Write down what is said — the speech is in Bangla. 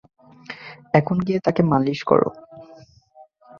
এখন গিয়ে তাকে মালিশ কর।